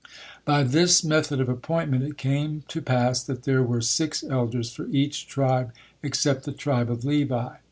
By this method of appointment, it came to pass that there were six elders for each tribe except the tribe of Levi.